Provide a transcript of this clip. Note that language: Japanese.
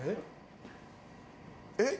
えっ？